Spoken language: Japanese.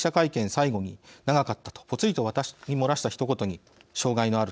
最後に「長かった」とぽつりと私に漏らした、ひと言に障害のある